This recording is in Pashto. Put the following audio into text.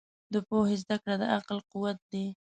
د پوهې زده کړه د عقل قوت دی.